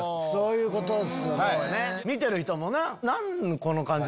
見てる人もな。